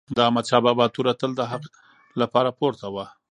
د احمدشاه بابا توره تل د حق لپاره پورته وه.